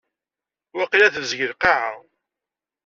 Waqila tebzeg lqaɛa.